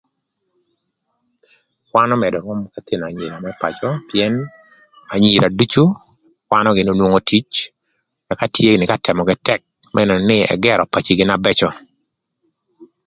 Kwan ömëdö rwöm k'ëthïnö anyira më pacö pïën anyira ducu kwanö gïnï onwongo tic ëka tye gïnï ka tëmö kï tëk me nënö nï ëgërö pacigï na bëcö.